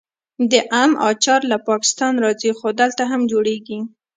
د ام اچار له پاکستان راځي خو دلته هم جوړیږي.